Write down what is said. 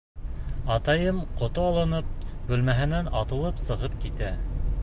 Атайым, ҡото алынып, бүлмәһенән атылып сығып китә.